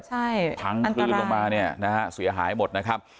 ใช่พังคลืนลงมาเนี่ยนะฮะเสียหายหมดนะครับ